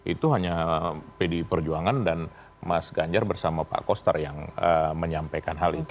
itu hanya pdi perjuangan dan mas ganjar bersama pak koster yang menyampaikan hal itu